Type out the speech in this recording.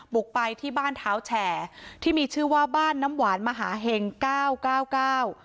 บุกไปที่บ้านเท้าแชร์ที่มีชื่อว่าบ้านน้ำหวานมหาเห็งเก้าเก้า